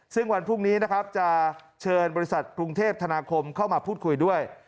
ซึ่งวันพรุ่งนี้นะครับจะเชิญบริษัทกรุงเทพธนาคมเข้ามาพูดคุยด้วย